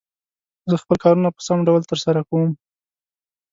زه خپل کارونه په سم ډول تر سره کووم.